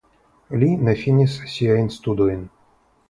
Li ne finis siajn studojn.